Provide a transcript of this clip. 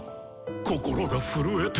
心が震えて。